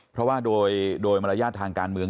เพราะว่าโดยมารยาททางการเมือง